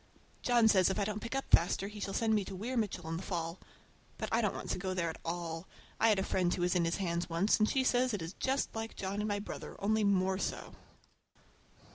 John says if I don't pick up faster he shall send me to Weir Mitchell in the fall. But I don't want to go there at all. I had a friend who was in his hands once, and she says he is just like John and my brother, only more so!